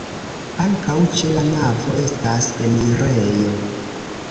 Ankaŭ ĉe la navo estas enirejo.